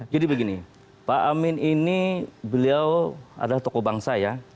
jadi begini pak amin ini beliau adalah tokoh bangsa ya